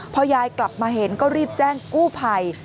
พอยายกลับมาเห็นก็รีบแจ้งกู้ภัย